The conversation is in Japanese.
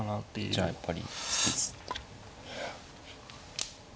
じゃあやっぱり。